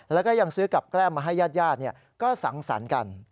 แล้วก็ยังซื้อกับแก้มมาให้ญาติก็สังสรรค์กัน